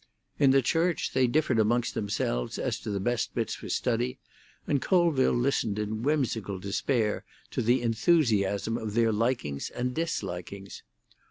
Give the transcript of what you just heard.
In the church they differed amongst themselves as to the best bits for study, and Colville listened in whimsical despair to the enthusiasm of their likings and dislikings.